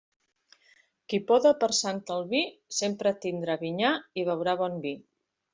Qui poda per Sant Albí sempre tindrà vinyar i beurà bon vi.